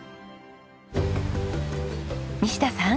西田さん。